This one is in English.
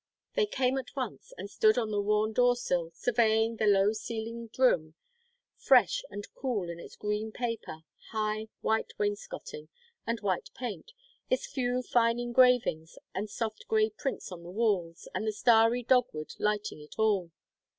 They came at once, and stood on the worn door sill surveying the low ceiled room, fresh and cool in its green paper, high, white wainscoting, and white paint, its few fine engravings and soft grey prints on the walls, and the starry dogwood lighting it all.